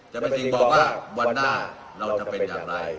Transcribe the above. ก็ดงที่จะบอกว่าวันหน้าเราจะเป็นอย่างไร